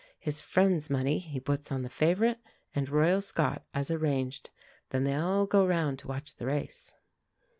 His friends' money he puts on the favourite and Royal Scot as arranged. Then they all go round to watch the race.